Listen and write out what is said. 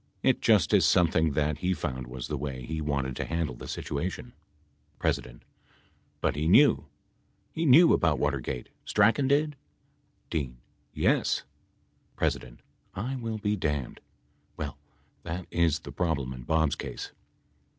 It just is something that he found was the way he wanted to handle the situation. P. But he knew ? He knew about Watergate ? Strachan did ? D. Yes. P. I will be damned ! Well that is the problem in Bob's case.